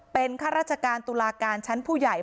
เป็นข้าราชการตุลาการชั้นผู้ใหญ่